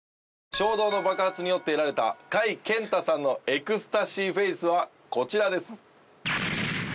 衝動の爆発によって得られた貝健太さんのエクスタシーフェイスはこちらです。